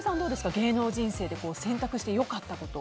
芸能人生で選択してよかったこと。